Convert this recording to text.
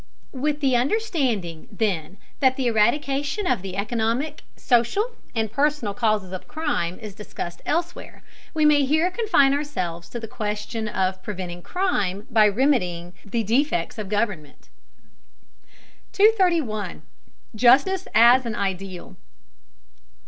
With the understanding, then, that the eradication of the economic, social and personal causes of crime is discussed elsewhere, we may here confine ourselves to the question of preventing crime by remedying the defects of government. 231. JUSTICE AS AN IDEAL.